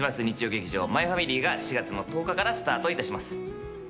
日曜劇場「マイファミリー」が４月の１０日からスタートいたします